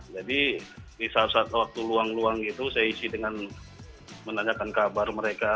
jadi di saat saat waktu luang luang gitu saya isi dengan menanyakan kabar mereka